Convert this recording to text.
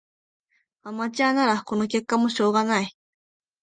アマチュアならこの結果もしょうがない